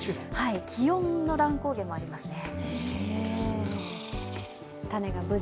気温の乱高下もありますね。